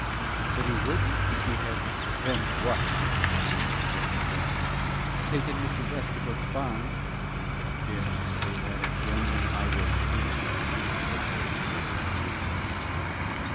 "But he wouldn't if you hadn't " "Hadn't what?" demanded Ford, sternly. "Taken Mrs. Estabrook's bonds." "Dare to say that again, and I will beat you," said Willis Ford, brutally.